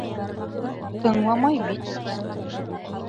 Тыңламай бит!